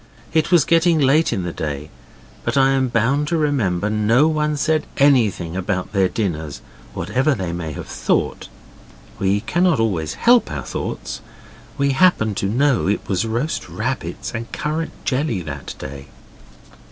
It was getting late in the day, but I am bound to remember no one said anything about their dinners, whatever they may have thought. We cannot always help our thoughts. We happened to know it was roast rabbits and currant jelly that day.